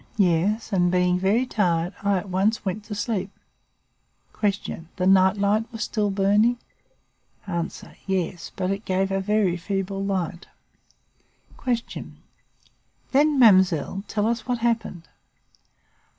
Yes, and, being very tired, I at once went to sleep. "Q. The night light was still burning? "A. Yes, but it gave a very feeble light. "Q. Then, mademoiselle, tell us what happened.